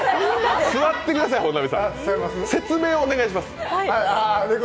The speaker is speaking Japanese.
座ってください、本並さん説明をお願いします。